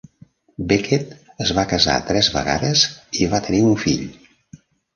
Beckett es va casar tres vegades i va tenir un fill.